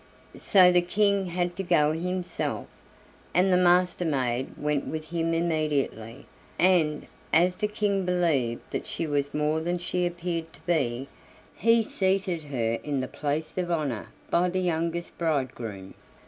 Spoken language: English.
So the King had to go himself, and the Master maid went with him immediately, and, as the King believed that she was more than she appeared to be, he seated her in the place of honor by the youngest bridegroom.